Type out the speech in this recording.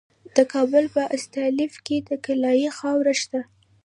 د کابل په استالف کې د کلالي خاوره شته.